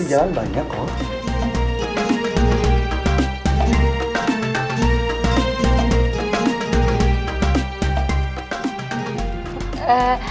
di jalan banyak oh